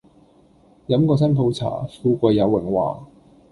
飲過新抱茶，富貴又榮華